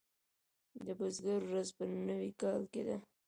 د بزګر ورځ په نوي کال کې ده.